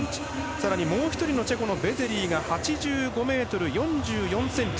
更にもう１人のチェコのベゼリーが８５ｍ４４ｃｍ。